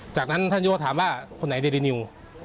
จากนั้นท่านโยถามว่าคนไหนเดรินิว